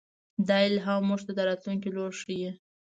دا الهام موږ ته د راتلونکي لوری ښيي.